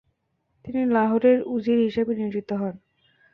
তিনি লাহোরের উজির হিসেবে নিয়োজিত হন।